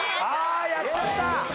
あやっちゃった！